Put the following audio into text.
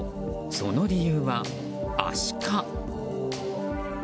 その理由は、アシカ。